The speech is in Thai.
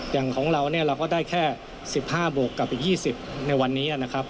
อย่างของเราเนี่ยเราก็ได้แค่๑๕บวกกับอีก๒๐ในวันนี้นะครับ